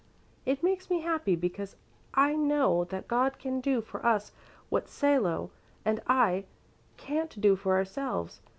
"It makes me happy because I know that God can do for us what Salo and I can't do for ourselves.